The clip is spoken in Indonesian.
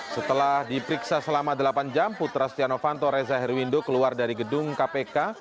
setelah diperiksa selama delapan jam putra stiano fanto reza herwindo keluar dari gedung kpk